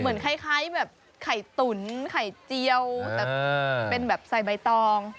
เหมือนคล้ายแบบไข่ตุ๋นไข่เจียวแต่เป็นแบบใส่ใบตอง